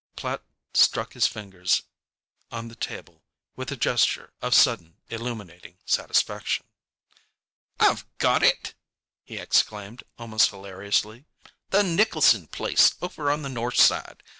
Platt struck his fingers on the table with a gesture of sudden, illuminating satisfaction. "I've got it!" he exclaimed, almost hilariously—"the Nicholson place, over on the north side.